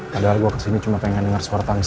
padahal gue kesini cuma pengen denger suara tangsiul